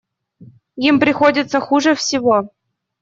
Им приходится хуже всего.